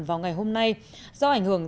vào ngày hôm nay do ảnh hưởng